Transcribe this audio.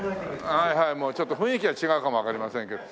はいはいちょっと雰囲気は違うかもわかりませんけど。